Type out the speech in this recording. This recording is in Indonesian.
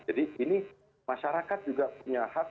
jadi ini masyarakat juga punya hak